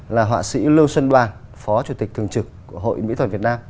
là họa sĩ lưu xuân đoàn phó chủ tịch thường trực hội mỹ thuật việt nam